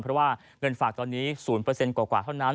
เพราะว่าเงินฝากตอนนี้๐กว่าเท่านั้น